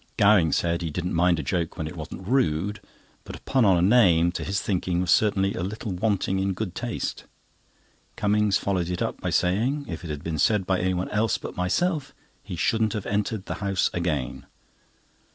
Gowing said he didn't mind a joke when it wasn't rude, but a pun on a name, to his thinking, was certainly a little wanting in good taste. Cummings followed it up by saying, if it had been said by anyone else but myself, he shouldn't have entered the house again.